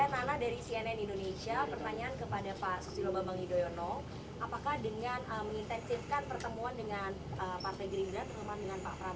pak pegiri berat